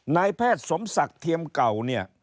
ในแพทย์สมศักดิ์เทียมเก่า